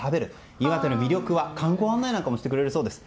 岩手の魅力、観光案内なんかもしてくれるそうです。